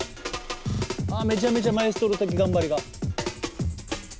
あっめちゃめちゃマエストロ的頑張りが。